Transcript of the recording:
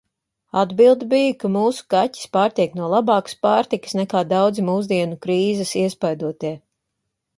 Atbilde bija, ka mūsu kaķis pārtiek no labākas pārtikas, nekā daudzi mūsdienu krīzes iespaidotie.